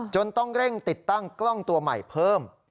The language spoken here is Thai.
ต้องเร่งติดตั้งกล้องตัวใหม่เพิ่ม